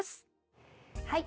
はい。